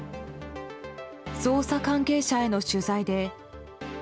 捜査関係者への取材で。